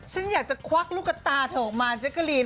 ฉันอยากจะควักลูกตาเธอออกมาแจ๊กกะลีน